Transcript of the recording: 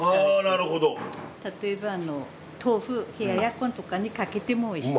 例えば豆腐冷ややっことかにかけてもおいしい。